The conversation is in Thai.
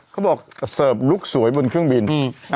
เขาบอกเสิร์ฟลุคสวยบนเครื่องบิน